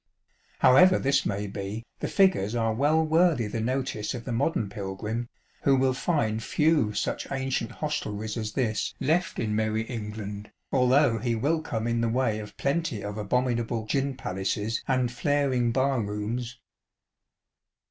However this may be, the figures are well worthy the notice of the modern pilgrim, who will find few such ancient hostelries as this left in merry England, although he will come in the way of plenty of abominable "gin palaces " and flaring bar rooms.